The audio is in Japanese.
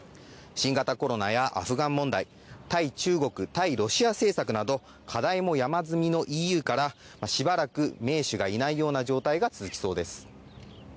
新型コロナやアフガン問題、対中国対ロシア政策など、課題も山積みのＥＵからしばらく盟主がいないような状態が続きそうです。